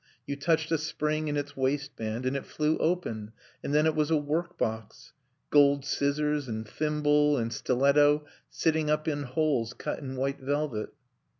You touched a spring in its waistband and it flew open, and then it was a workbox. Gold scissors and thimble and stiletto sitting up in holes cut in white velvet.